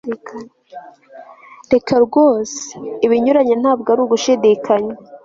reka rwose. ibinyuranye ntabwo ari ugushidikanya